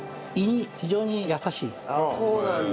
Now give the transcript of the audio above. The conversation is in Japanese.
あっそうなんだ。